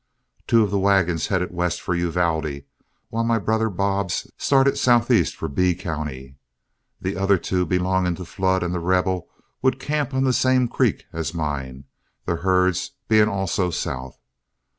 Two of the wagons headed west for Uvalde, while my brother Bob's started southeast for Bee County. The other two belonging to Flood and The Rebel would camp on the same creek as mine, their herds being also south.